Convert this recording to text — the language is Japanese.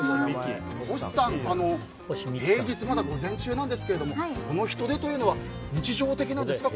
星さん平日まだ午前中なんですがこの人出というのは日常的なんですか？